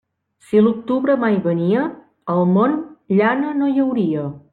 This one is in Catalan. Si l'octubre mai venia, al món llana no hi hauria.